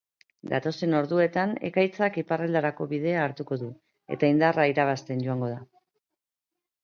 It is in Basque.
Datozen orduetan, ekaitzak iparralderako bidea hartuko du eta indarra irabazten joango da.